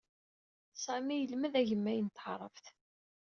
Sami yelmed agemmay n taɛṛabt.